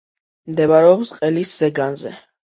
მდებარეობს ყელის ზეგანზე.